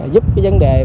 giúp cái vấn đề